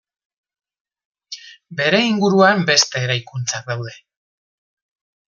Bere inguruan, beste eraikuntzak daude.